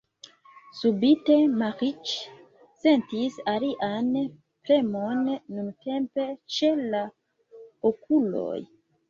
Subite, Maĥiac sentis alian premon, nuntempe ĉe la okuloj.